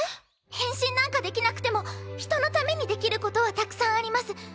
変身なんかできなくても人のためにできることはたくさんあります。